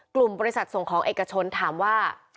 กลุ่มบริษัทส่งของเอกชนถามว่า